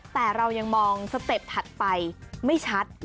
แต่เรายังมองสเต็ปถัดไปไม่ชัด